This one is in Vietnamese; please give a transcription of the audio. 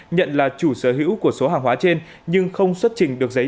nhận là chủ sở hữu của số hàng hóa trên nhưng không xuất trình được giấy